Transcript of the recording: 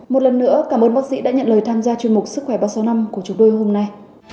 một lần nữa cảm ơn bác sĩ đã nhận lời tham gia chuyên mục sức khỏe ba trăm sáu mươi năm của chúng tôi hôm nay